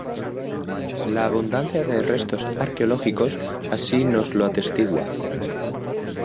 La abundancia de restos arqueológicos así nos lo atestigua.